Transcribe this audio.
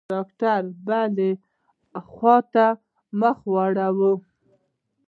ډاکتر بلې خوا ته مخ واړاوه.